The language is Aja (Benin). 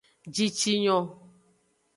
Jicinyo.